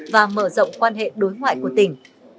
và mở rộng quan hệ đối ngoại của tỉnh